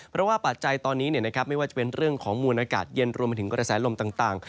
เพราะว่าปัจจัยตอนนี้ไม่ว่าจะเป็นเรื่องของมวลอากาศเย็นรวมไปถึงกระแสลมต่าง